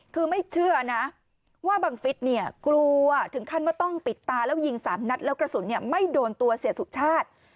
คือไม่เชื่อนะว่าบังฟิศเนี่ยกลัวถึงขั้นว่าต้องปิดตาแล้วยิง๓นัดแล้วกระสุนไม่โดนตัวเสียสุชาติ